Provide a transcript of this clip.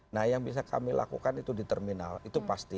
nah yang bisa kami lakukan itu di terminal itu pasti